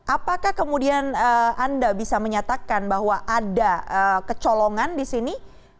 apakah kemudian anda bisa menyatakan bahwa ada kecolongan di sini